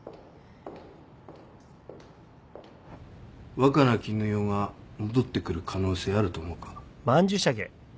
若菜絹代が戻ってくる可能性あると思うか？